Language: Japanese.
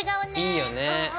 いいよね。